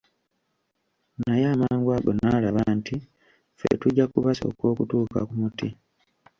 Naye amangu ago n'alaba nti ffe tujja kubasooka okutuuka ku muti.